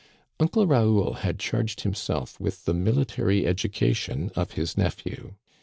Uncle Raoul had charged himself with the military education of his nephew.